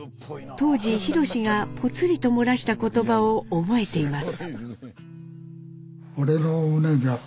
当時宏がポツリと漏らした言葉を覚えています。